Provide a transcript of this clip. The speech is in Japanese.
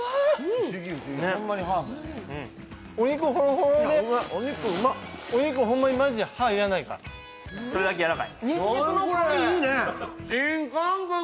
・不思議不思議お肉ホンマにマジで歯いらないからそれだけやわらかい？